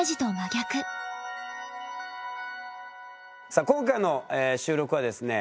さあ今回の収録はですね